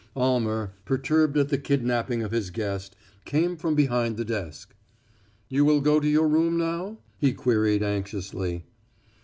Almer, perturbed at the kidnaping of his guest, came from behind the desk. "You will go to your room now?" he queried anxiously.